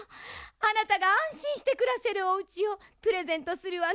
あなたがあんしんしてくらせるおうちをプレゼントするわね。